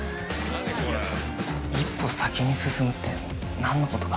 １歩先に進むって何のことだ。